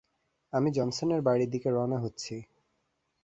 আমি জনসনের বাড়ির দিকে রওনা হচ্ছি।